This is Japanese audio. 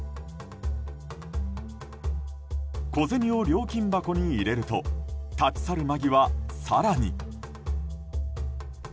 小銭を料金箱に入れると立ち去る間際、更に。